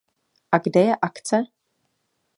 A kde je akce?